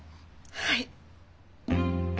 はい！